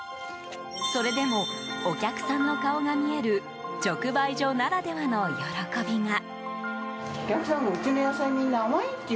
それでも、お客さんの顔が見える直売所ならではの喜びが。